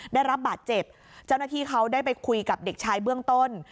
ได้รับบาดเจ็บเจ้าหน้าที่เขาได้ไปคุยกับเด็กชายเบื้องต้น